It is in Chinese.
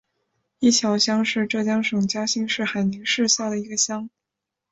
伊桥乡是浙江省嘉兴市海宁市下的一个乡。